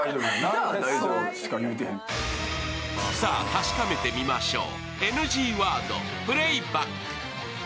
確かめてみましょう。